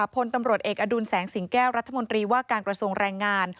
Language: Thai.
พลตำรวจเอกอดุลแสงสิงแก้วรัฐมนตรีว่าการกระทรวงแรงงาน